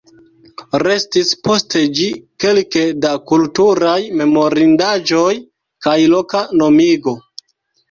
Restis post ĝi kelke da kulturaj memorindaĵoj kaj loka nomigo.